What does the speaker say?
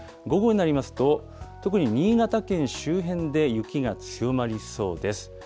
午後になりますと、特に新潟県周辺で雪が強まりそうです。